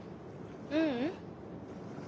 ううん。